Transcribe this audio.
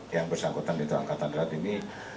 yang bersangkutan itu angkatan darat ini